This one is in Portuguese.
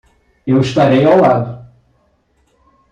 Eu estarei ao lado.